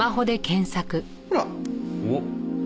ほら。おっ。